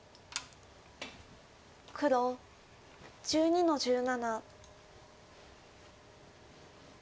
黒１２の十七。